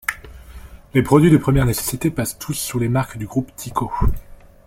Les produits de première nécessité passent tous sous les marques du groupe Tiko.